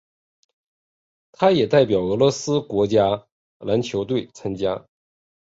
他也代表俄罗斯国家篮球队参赛。